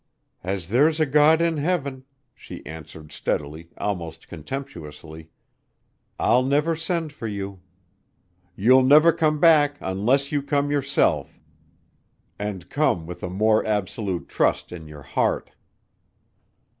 "As there's a God in Heaven," she answered steadily, almost contemptuously, "I'll never send for you. You'll never come back unless you come yourself and come with a more absolute trust in your heart."